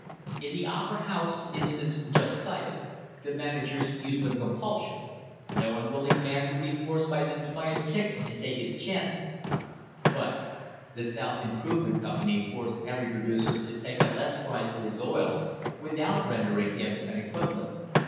In the opera house instance just cited the managers use no compulsion, no unwilling man was to be forced by them to buy a ticket and take his chances; but the South Improvement Company force every producer to take a less price for his oil without rendering him an equivalent.